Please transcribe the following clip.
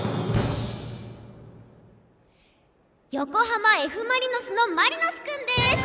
横浜Ｆ・マリノスのマリノス君です。